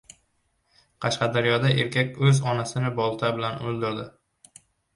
Qashqadaryoda erkak o‘z onasini bolta bilan o‘ldirdi